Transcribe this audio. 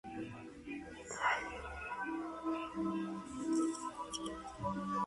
Las pequeñas flores de color blanco surgen de las axilas de las areolas.